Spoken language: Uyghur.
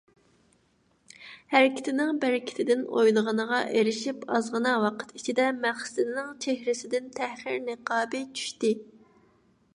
ھەرىكىتىنىڭ بەرىكىتىدىن ئويلىغىنىغا ئېرىشىپ، ئازغىنا ۋاقىت ئىچىدە، مەقسىتىنىڭ چېھرىسىدىن تەخىر نىقابى چۈشتى.